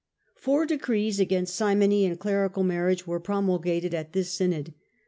. Four decrees against simony and clerical marriage were promulgated at this synod: (i.)